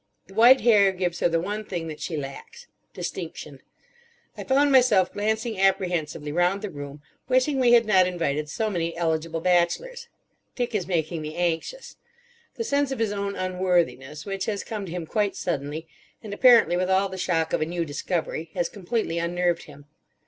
The white hair gives her the one thing that she lacks: distinction. I found myself glancing apprehensively round the room, wishing we had not invited so many eligible bachelors. Dick is making me anxious. The sense of his own unworthiness, which has come to him quite suddenly, and apparently with all the shock of a new discovery, has completely unnerved him.